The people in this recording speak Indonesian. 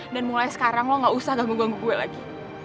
dan mulai sekarang lo gak usah ganggu ganggu gue lagi